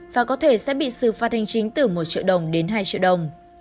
và có thể sẽ bị xử phạt hành chính từ một triệu đồng đến hai triệu đồng